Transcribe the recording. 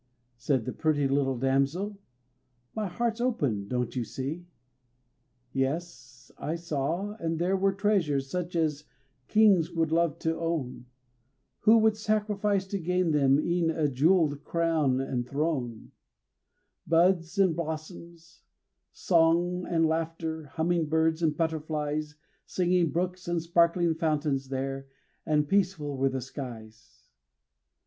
Said the pretty little damsel, "My heart's open, don't you see?" Yes, I saw, and there were treasures such as kings would love to own, Who would sacrifice to gain them e'en a jeweled crown and throne Buds and blossoms, song and laughter, humming birds and butterflies, Singing brooks and sparkling fountains there, and peaceful were the skies.